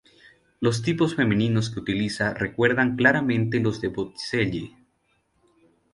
Los tipos femeninos que utiliza recuerdan claramente los de Botticelli.